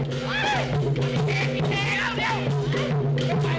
โอ้โฮฮินทีช้าฝั่งเท่ากรองมัน